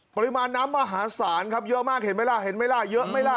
ปริมาณน้ำมหาศาลครับเยอะมากเห็นไหมล่ะเห็นไหมล่ะเยอะไหมล่ะ